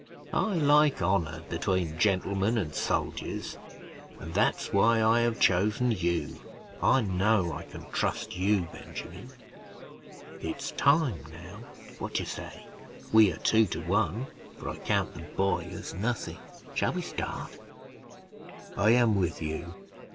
I like honor between gentlemen and soldiers; and that's why I have chosen you. I know I can trust you, Benjamin. It's time now what do you say? We are two to one, for I count the boy as nothing. Shall we start?" "I am with you.